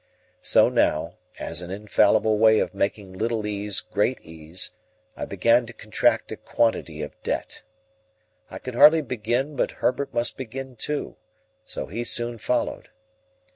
So now, as an infallible way of making little ease great ease, I began to contract a quantity of debt. I could hardly begin but Herbert must begin too, so he soon followed.